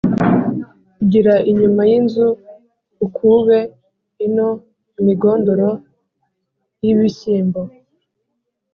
Igira inyuma y'inzu ukube ino-Imigondoro y'ibishyimbo.